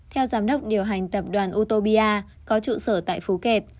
theo giám đốc điều hành tập đoàn utopia có trụ sở tại phú kẹt